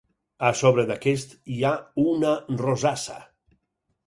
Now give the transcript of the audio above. A sobre d'aquest, hi ha una rosassa.